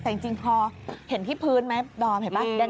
แต่จริงพอเห็นที่พื้นไหมดอมเห็นป่ะ